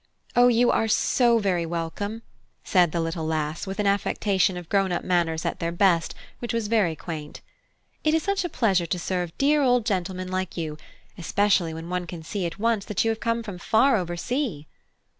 "O, you are so very welcome," said the little lass, with an affectation of grown up manners at their best which was very quaint. "It is such a pleasure to serve dear old gentlemen like you; especially when one can see at once that you have come from far over sea."